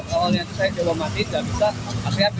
awalnya itu saya jelom mati tidak bisa masih api